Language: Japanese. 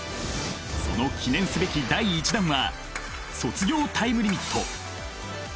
その記念すべき第１弾は「卒業タイムリミット」。